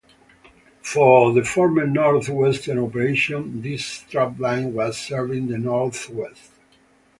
For the former North Western operation this strap-line was serving the North West.